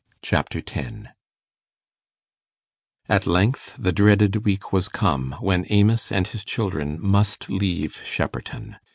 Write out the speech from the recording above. Chapter 10 At length the dreaded week was come, when Amos and his children must leave Shepperton.